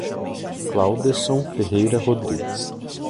Claudeson Ferreira Rodrigues